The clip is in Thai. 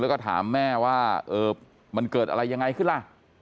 แล้วก็ถามแม่ว่ามันเกิดอะไรยังไงขึ้นล่ะ